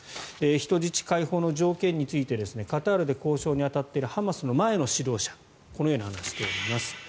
人質解放の条件についてカタールで交渉に当たっているハマスの前の指導者はこのように話しています。